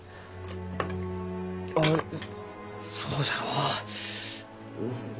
あそうじゃのううん。